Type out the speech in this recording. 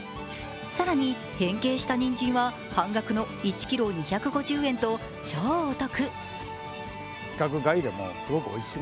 更に、変形したにんじんは半額の１ｋｇ２５０円と超お得。